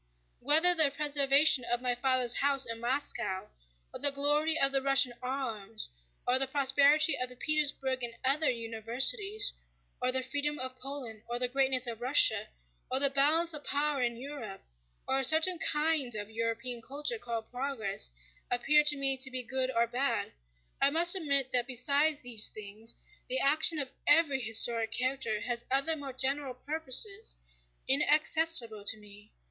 Whether the preservation of my father's house in Moscow, or the glory of the Russian arms, or the prosperity of the Petersburg and other universities, or the freedom of Poland or the greatness of Russia, or the balance of power in Europe, or a certain kind of European culture called "progress" appear to me to be good or bad, I must admit that besides these things the action of every historic character has other more general purposes inaccessible to me.